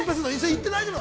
言って大丈夫？